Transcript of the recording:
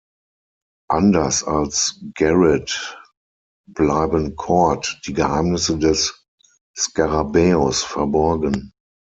Anders als Garrett bleiben Kord die Geheimnisse des Skarabäus verborgen.